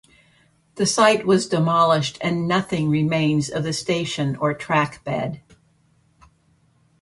The site was demolished and nothing remains of the station or trackbed.